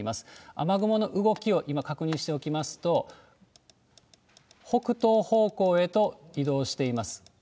雨雲の動きを今、確認しておきますと、北東方向へと移動しています。